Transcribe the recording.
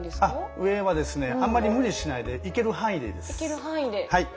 上はですねあんまり無理しないでいける範囲でいいです。